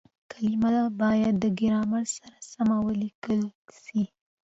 کليمه بايد د ګرامر سره سمه وليکل سي.